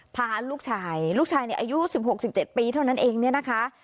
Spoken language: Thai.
พาลูกชายลูกชายเนี่ยอายุ๑๖๑๗ปีเท่านั้นเองเนี่ยนะคะ